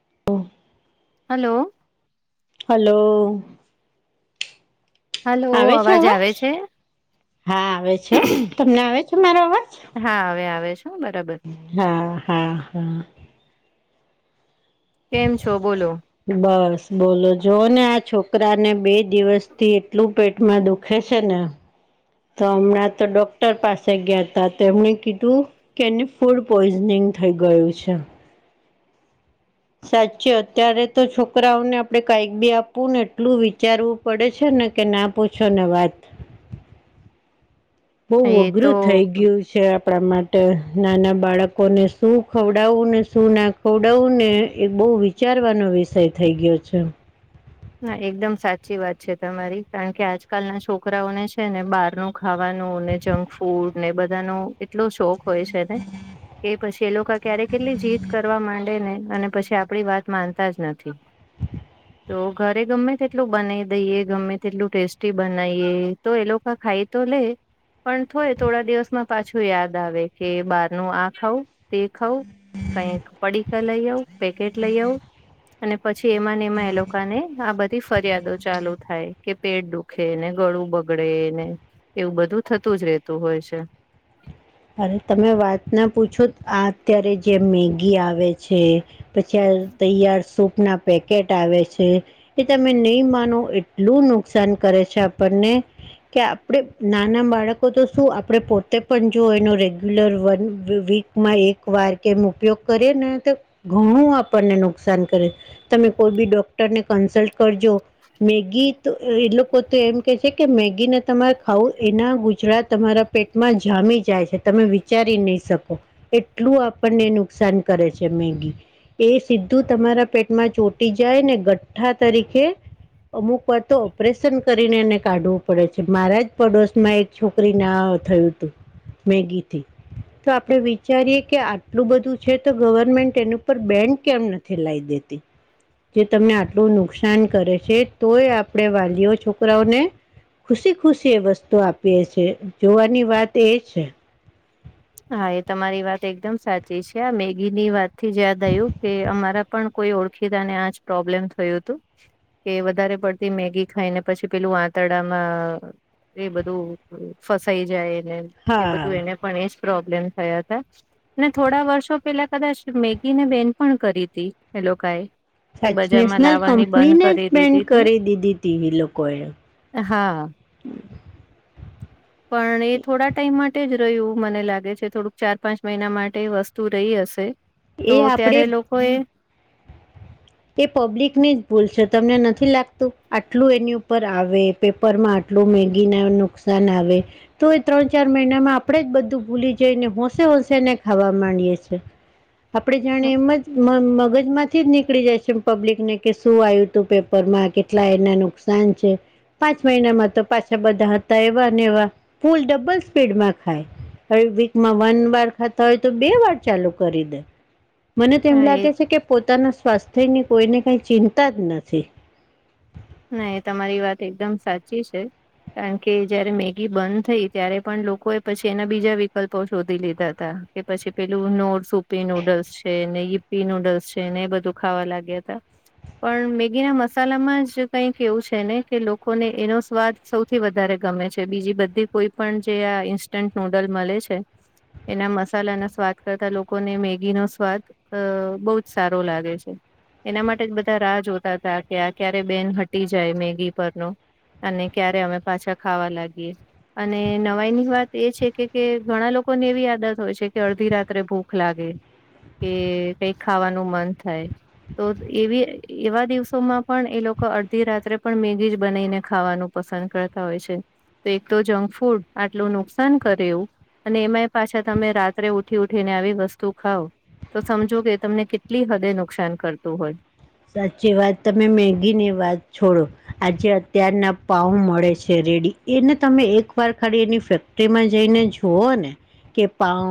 [unintelligible] Hello. Hello. Hello. આવે છે અવાજ આવે છે? હા, આવે છે. તમને આવે છે મારો અવાજ? હા હવે આવે છે બરાબર હા, હા, હા. કેમ છો બોલો બસ, બોલો જોઓને આ છો કરા ને બે દિવસથી એટલું પેટમાં દુખે છે ને તો હમણાં તો ડોક્ટર પાસે ગ્યા તા. તો એમણે કીધું કે, એને ફૂડ પોઈઝનિંગ [unintelligible] થઈ ગયું છે. સાચે. અત્યારે તો છોકરાઓને આપડે કાઈક બી આપવું ને એટલું વિચારવું પડે છે ને કે ના પૂછો ને વાત. બઉ એ તો અઘરું થઈ ગ્યું છે આપડા માટે નાના બાળકોને શું ખવડાવું ને, શું ના ખવડાવું ને એ બ બઉ વિચારવાનો વિષય થઈ ગયો છે. હા, એકદમ સાચી વાત છે તમારી. કારણ કે આજકાલના છોકરાઓને છે ને બારનું ખાવા નો ને, જંક ફૂડ ને બધાનો એટલો શોખ હોય છે ને, કે પછી એ લોકા ક્યારે કેટલી જીદ કરવા માંડે ને અને પછી આપડી વાત માનતા જ નથી. તો ઘરે ગમે તેટલું બનાઈ દઈએ, ગમે તેટલું ટેસ્ટી બનાઈએ તો એ લોકો ખાઈ તો [unintelligible] પણ થોય થોડા દિવસમાં પાછું યાદ આવે કે બારનું આ ખઉ તે ખઉં. કઈક પડીકા લઈ આઉ, પેકેટ લઈ આઉ અને પછી એમાં ન એમાં એ લો ને આ બધી ફરિયાદો ચાલુ થાય કે પેટ દુખેને ગળું બગડે ને. એવું બધું થતું જ રહેતું હોય છે. અરે તમે વાત ના પૂછો આ અત્યારે જે મેગી આવે છે. પછી તૈયાર સુપ. ના પેકેટ આવે છે. એ તમે નઈ માનો એટલું નુકસાન કરે છે આપણને કે આપડે નાના બાળકો તો શું આપડે પોતે પણ જો એનો રેગ્યુલર વન વી-વીકમાં એક વાર કે એમ ઉપયોગ કરીએ ને તો ઘણું આપડને નુકસાન કરે. તમે કોઈ બી ડોક્ટરને કન્સલ્ટ કરજો મેગી તો એ લોકો તો એમ કે છે કે મેગીને તમાર ખાવું એના ગુચરા તમારા પેટમાં જામી જાય છે. તમે વિચારી ની શકો એટલું આપડને નુકસાન કરે છે મેગી. એ સીધું તમારા પેટમાં ચોટી જાય ને ગઠ્ઠા તરીકે અમુક વાર તો ઓપરેશન કરીને એને કાઢવું પડે છે. મારા જ પડોશમાં એક છોકરી ના અ થયું તું, મેગીથી. તો આપડે વિચારીએ કે આટલું બધું છે તો ગવર્મેન્ટ એની ઉપર બેન કેમ નથી લાઈ દે તી. જે તમને આટલું નુકસાન કરે છે, તોય આપડે વાલીઓ છોકરાઓને ખુશી-ખુશી એ વસ્તુ આપીએ છીએ. જોવાની વાત એ છે. હા, એ તમારી વાત એકદમ સાચી છે. આ મેગીની વાત થી જ યાદ આયું કે અમારા પણ કોઈ ઓળખીતાને આજ પ્રોબ્લેમ થયું તું કે વધારે પડતી મેગી ખાઈને પછી પેલું આંતરડામાં. એ બધું ફસાઈ જાય એને એ હા બધું એને પણ એજ. પ્રોબ્લેમ થયા હતા. ને થોડા વર્ષો પેલા કદાચ મેગીને બેન પણ કરી હતી એ લોકોએ. કે સાચ બજારમાં નેશનલ લાવવાની બંધ કંપનીને કરી જ પન્ડ દીધી હતી કરી દીધી તી એ લોકોએ. હા. [inaudible] પણ એ થોડા ટાઈમ માટે જ રહ્યું મને લાગે. થોડુંક ચાર પાંચ મહિના માટે વસ્તુ રહી હશે તો એ આપણે ત્યારે લોકો એ. એ પબ્લિકની જ ભૂલશે તમને નથી લાગતું આટલું એની ઉપર આવે પેપરમાંટ. તો મેગી ના નુકસાન આવે તો એ ત્રણ ચાર મહિનામાં આપણે જ બધું ભૂલી જઈને હોશે. ને ખાવા માંડીએે છીએ આપડે જાણીએ એમ જ મગજ માંથી જ નીકળી જાય છે. પબ્લિકને કે શું આવ્યું તું પેપરમાં કેટલા એના નુકસાન છે પાંચ મહિનામાં તો. પાછા બધા હતા એવાને એવા ફૂલ ડબલ સ્પીડમાં ખાય. હવે વીકમાં વન વાર ખાતા હોય તો બે વાર ચાલુ કરી દે. મને તેમ હા એજ લાગે છે કે પોતાના સ્વાસ્થ્યની કોઈને કઈ ચિંતા જ નથી. ના તમારી વાત એકદમ સાચી છે. કારણ કે જયારે મેગી બંધ થઈ ત્યારે પણ લોકોએ પછી એના બીજા વિકલ્પો શોધી લીધા હતા. કે પછી પેલું ન સૂપી નુડલ્સ છે ને. પી નૂડલ્સ છે ને એ બધું ખાવા લાગ્યા હતા પણ મેગી ના મસાલામાં જ કંઈક એવું છે. ને કે લોકોને એનો સ્વાદ સૌથી વધારે ગમે છે બીજી બધી કોઈ પણ જે ઈન્સ્ટન્ટ નૂડલ મળે છે. એના મસાલાના સ્વાદ કરતા લોકોને મેગીનો સ્વાદ અ બહુ જ સારો લાગે છે. એના માટે જ બધા રાહ જોતા હતા કે ક્યારે બેન હટી જાય મેગી પરનો અને ક્યારે અમે પાછા ખાવા લાગીએ અને નવાઈ ની વાત એ છે. કે કે ઘણા લોકોને એવી આદત હોય છે કે અડધી રાત્રે ભૂખ લાગે કે કઈક ખાવાનું મન થાય તો એવી એવા દિવસોમાં પણ એ લોકો અધી રાત્રે પણ મેગી જ બનાવીને ખાવાનું પસંદ કરતા હોય છે. તો એક તો જંક ફૂડ આટલું નુકસાન કરે એવું અને એમાંય પાછા તમે રાત્રે ઉઠી ઉઠીને આવી વસ્તુ ખાવ તો સમજો કે તમને કેટલી હદે નુકસાન કરતું હોય. સાચી વાત તમે મેગી ની વાત છોડો આજે અત્યારના પાઉ મળે છે. રેડી એને તમે એક વાર ખાલી એની ફેક્ટરીમાં જઈને જુઓ ને કે પાઉ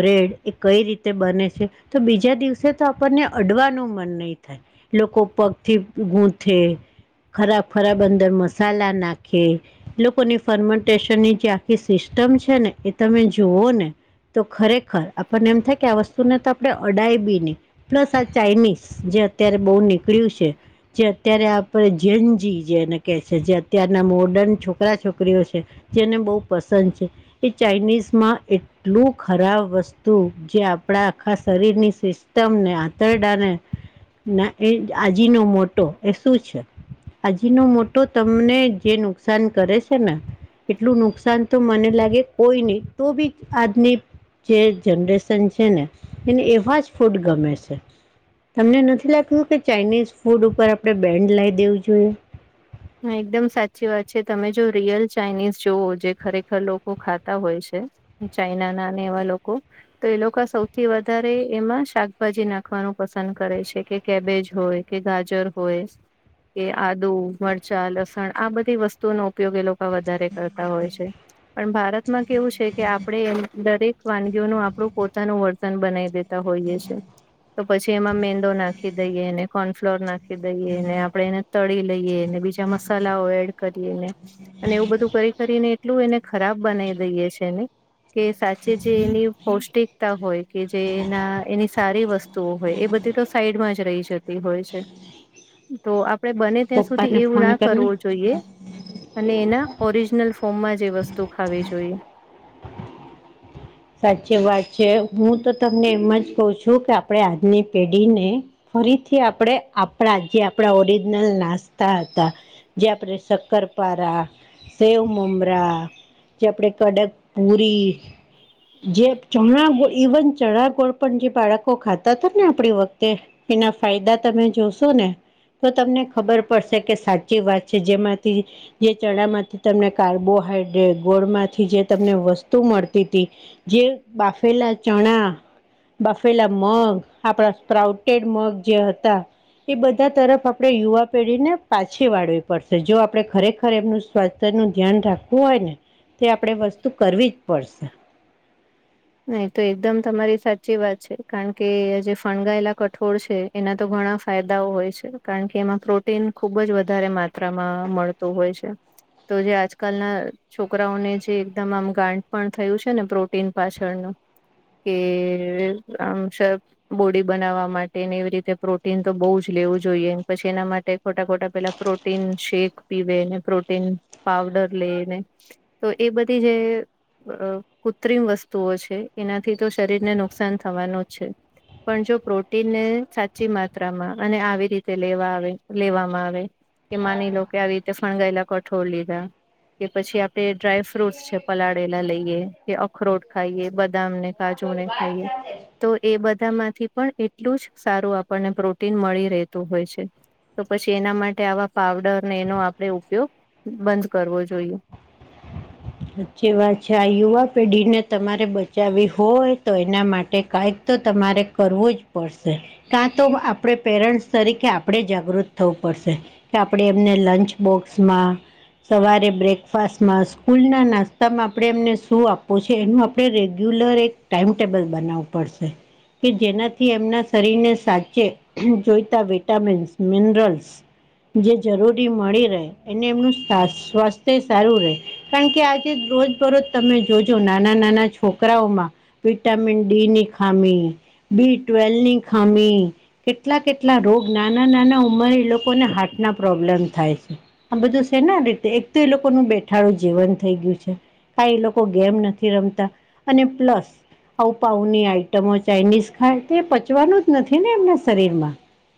બ્રેડ એ કઈ રીતે બને છે. તો બીજા દિવસે તો આપણને અડવાનું મન નહી થાય લોકો પગ થી ગૂથે ખરાબ ખરાબ અંદર મસાલા નાખે લોકોની ફર્મેન્ટેશન ની જે આખી સિસ્ટમ સિસ્ટમ છે ને એ તમે જુઓ ને તો ખરેખર આપણને એમ થાય કે આ વસ્તુને તો આપણે અડાઈબીની પ્લસ આ ચાાઈનીઝ જે અત્યારે બહુ નીકળ્યું છે જે અત્યારે આપણે જેનજી જેને કે છે જે અત્યારના મોડ છોકરા છોકરી છે જેને બ પસંદ છે એ ચાઇનીઝમાં એટલું ખાતુ વસ્તુ જે આપણા આખા શરીરની સિસ્ટમને આંતરડાને ના એ આજીનો મોટો એ શું છે. હજ ન મોટો તમને જે નુકસાન કરે છે ને એટલું નુકસાન તો મને લાગે કોઈ નહી તો બી આજની જે જનરેશન છે. ને એને એવા જ ફૂડ ગમે છે તમને નથી કે ચાઇનીઝ ફૂડ ઉપર આપડણે બેન્ડ લાવ દેવું જોઈએ. હા એકદમ સાચી વાત છે તમે જો રિયલ ચાઇનીઝ જોવઓ જે ખરેખર લોકો ખાતા હોય છે. ચાઈના ના એવા તો એ લોકો સૌથી વધારે એમાં શાકભાજી નાખ વાનુ પસંદ કરે છે, કે કેબેજ હોય કે ગાજર હોય કે આદુ, મરચા, લસણ, આ બધી વસ્તુઓનો ઉપયોગ એ લોકો વધારે કરતા હોય છે. પણ ભારત માં કેવું છે, કે આપડે એમ દરેક વાનગીઓનું આપણું પોતાનું વર્તન બનાવી દેતા હોઈએ છે. તો પછી એમાં મેંદો નાખી દઈએ ને કોર્નફ્લોર નાખી દઈએ ને આપડણે એને તળી લઈએ બીજા મસાલાઓ એડ કરીને અને એવું બધું કરી કરીને એટલું એને ખરાબ બનાવી દઈએ છે ન કે સાચે જે એની પૌષ્ટિકતા હોય કે જે એના એની સારી વસ્તુઓ હોય એ બધ સાઈડ મા જ રહી જ હોય તો આપ બ સુધી પપ્પાને એવું ના ફોન કરીને કરવું જોઈએ અને એના ઓરિજિનલ ફોર્મમાં જે વસ્તુ ખાવી જોઈએ સા ચી વાત છે. હું તો તમને એમ જ કહ છું, કે આપણે આજની પેઢીને ફરીથી આપણે આપણા જે આપણા ઓરિજનલ નાસ્તા હતા જે આપણે શક્કરપારા, સેવ મમરા, જે આપડ કડક પુરી, જે ચણા ગોળ ઇવન ચણા ગોળ પણ જે બાળકો ખાતા હતા ને આપણી વખતે એના ફાયદા તમે જોશો ને તો તમને ખબર પડશે કે સાચી વાત છે, જેમાંથી જે ચણા માંથી તમને કાર્બો હાઇડ્રેટ્સ ગોળ માંથી જે તમને વસ્તુ મળતી હતી જે બાફેલા ચણા બાફેલા મગ આપણા સ્પ્રાઉટેડ મગ જે હતા એ બધા તરફ આપણે યુવા પેઢીને પાછી વાળવી પડશે જો આપડે ખરેખર એમનું સ્વા નું ધ્યાન રાખવું હોય ને તે આપણેે વસ્તુ કરવી જ પડશે નહી તો એકદમ તમારી સાચી વાત છે, કારણ કે જે ફણગાયેલા કઠોળ છે, એના તો ઘ ઘણા ફાયદાઓ હોય છે, કારણ કે એમાં પ્રોટીન ખુબ જ વધારે માત્રામાં મળતું હોય છે. તો જે આજકાલના છોકરાઓને જે એકદમ આમ ગાડપણ થયું છે ને પ્રોટીન પાછ [unintelligible] કે આમ બોડી બનાવા માટે ને એવી રીતે પ્રોટીન તો બો જ લેવું જોઈએ પછી એના માટે ખોટા ખોટા પેલા પ્રોટીન શેક પીવે પ્રોટીન પાવ ડર લેને તો એ બધી જે અ કૃત્રિમ વ સ્તુઓ છે એનાથી તો શરીરને નુકસાન થવાનું જ છે. પણ, જો પ્રોટીનને સાચી માત્રામા અને આવી રીતે લેવા આવે લેવામાં આવે કે માની લો કે આવી રીતે ફણગાયેલા કઠોળ લીધા કે પછી આપણે ડ્રાય ફ્રૂટસ છે, પલાળેલા લઈએ કે અખરોટ ખાઈએ બદામ ને કાજુ ને ખાઈએ તો એ બધામાંથી પણ એટલું જ સારું આપણને પ્રોટીન મળી રહેતું હોય છે. તો પછી એના માટે આવા પાવડરને એનો આપણે ઉપયોગ બંધ કરવો જોઈએ [inaudible] હાચી વાત છે, આ યુવા પેઢીને તમારે બચાવવી હોય તો એના માટે કાય તમારે કરવું જ પડશે કાં તો આપણે પેરેન્ટસ તરીકે આપડે જાગૃત થવું પડ પડસે આપણે એમને લંચ બોક્સમાં સવારે બ્રેકફાસ્ટમાં ફૂલના નાસ્તામાં આપણે એમને શું આપવું છે, એનું આપણે રેગ્યુલર એક ટાઈમટેબલ બનાવું પ [unintelligible] કે જેનાથી એમના શરીરને સાચે જોઈતા વિટામિન્સ મિનરલ્સ જે જરૂરી મળી રહે એને એમનું સ્વા સ્વાસ્થ્ય સારું રેય કારણ કે આજે રોજ બરોજ તમે જોજો નાના નાના છોકરાઓમાં વિટામિન ડી ની ખામી બી ટવેલ ની ખામી કેટલા કેટલા રોગ નાના નાના ઉમર એ લોકોને હાર્ટ ના પ્રોબ્લેમ થાય છે, આ બધું સેના રીતે એક તો એ લોકો નુ બેઠાડું જીવન થઈ ગયું છે કાઈ એ લોકો ગેમ નથી રમતા અને પ્લસ [unintelligible] આઈટમો ચાઇનીઝ ખાય તે પચવાનું જ નથી ને એમના શરીર માં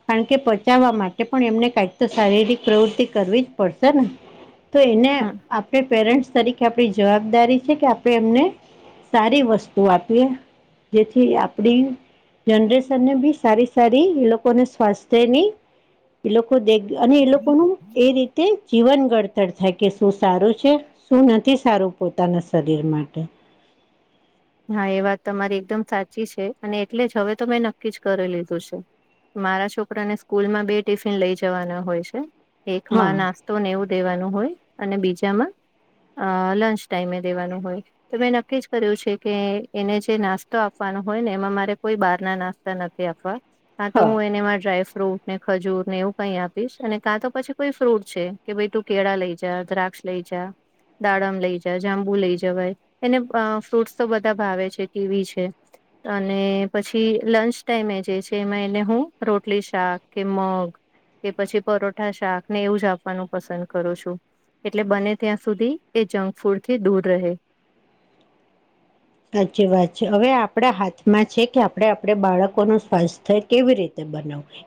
કારણ કે પચાવવા માટે પણ એમને કઈક તો શારીરિક પ્રવૃતિ કરવી પડશે, ને તો એને હમ આ પેરેન્ટ તરીકે આપણી જવાબદારી છે, કે આપે એમને સારી વસ્તુ આપીએ જેથી આપડી જનરેશનને, બી સારી સારી એ લોકોને સ્વાસ્થ્યની એ લોકો દે અને એ લોકોનુ, એ રીતે જીવન ઘડતર થાય કે શું સારું છે, શું નથી. સારુ પોતાના શરીર માટે હા, એ વાત તમારી એકદમ સાચી છે, અને એટલે જ હવે તો મેં નક્કી જ કરી લીધું છે મારા, છોકરાને સ્કૂલમાં બે ટિફિન લઈ જવાના હોય છે હા એકમા, નાસ્તો ને એવુ દેવાનું હોય અને બીજામા, અ લંચ ટાઈમે દેવાનું હોય તો મેં નક્કી જ કર્યું છે કે એને, જે નાસ્તો આપવાનો હોય ને એમાં મારે કોઈ, બાર ના નાસ્તા નથી આપવા હા, તો હુ એનેમા ફ્રૂટ, ને ખજૂર ને એવું કઈ આપીશ અને કાં તો પછી કોઈ ફ્રૂટ છે. કે ભાઈ તું કેળા લઈ જ દ્રાક્ષ લઈ, જા દાડમ લઈ જા જાંબુ લઈ જવાય એને ફ્રૂટસ તો બધા ભાવે છે કીવી છે અને પછી લંચ ટાઈમે જે છે એમાં એને હું રોટલી શાક કે મગ કે પછી, પરોઠા શાક ને એવું જ આપવાનું પસંદ કરું છું એટલે, બને ત્યાં સુધી એ જંક ફૂડ થી દૂર રહે [inaudible] સાચી વાત છે. હવે આપડા હાથમાં છે, કે આપડ આપડે બાળકો ન સ્વાસ્થ્ય થાય કેવી રીતે.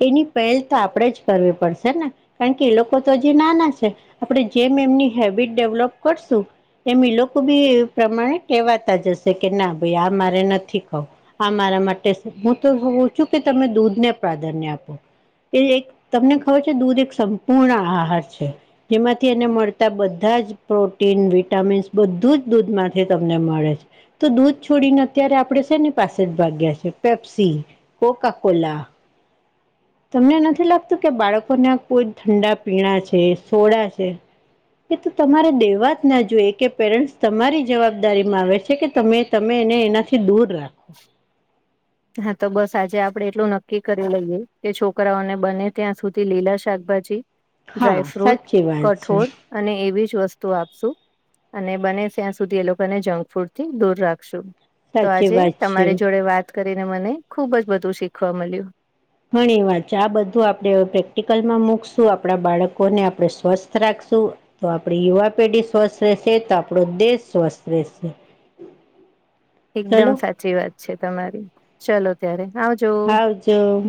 એની પહેલ તો આપણેે જ કરવી પડશે ને કારણ કે એ લોકો તો જે નાના છે, આપ જેમ એમની હેબિટ, ડેવલોપ કરશું એમ લોકો બી એ પ્રમાણે કહેવાતા જશે. કે ના ભાઈ આ મારે નથી કહ આ મારા માટે હુ, તો છુ, કે તમે દૂધને પ્રાધાન્ય આપો એ એક તમને ખબર છે, દૂધ એક સંપૂર્ણ આહાર છે જેમાંથી એને મળતા બધા બ પ્રોટીન, વિટામીન્સ બધુંજ દૂધ માંથી તમને મળે છે. તો દૂધ છોડીને અત્યારે આપડે છેને, પાસે જ ભાગ્યા છે, પેપ્સી કોકાકોલા [inaudible] તમને નથી લાગતું કે બાળકોને કોઈ ઠંડા પીણા છે, સોડા છે. કે તમારે દેવા જ ના જોઈ કે પેરેન્ટસ તમારી જવાબદારી માં આવે છે કે. તમે તમે એને એનાથી દૂર રાખો. હા તો બસ આજે આપડે એટલું નક્કી કરી લઈએ કે છોકરાઓને બને ત્યાં સુધી લીલા શાકભાજી. હા ડ્રાયફ્રૂટ સાચી વાત છે કઠોળ અને એવી જ. વસ્તુ આપશું અને બને ત્યાં સુધી એ લોકોને જંક ફૂડ થી દૂર રાખશું. તો સાચી આજે, વાત છે. તમારી જોડે વાત કરીને મને ખુબ જ બધું શીખવા મળ્યું. ઘણી વાત છે. આ બધું આપડણે પ્રેક્ટિકલ માં મૂકશું આપણા બાળકોને આપણે સ્વસ્થ રાખશ તો આપણી યુવા પેઢી સ્વસ્થ રહેશે તો આપણો, દેશ સ્વસ્થ રહેશે. હ [unintelligible] એકદમ સાચી વાત છે, તમારી ચલો ત્યારે આવજો હાજો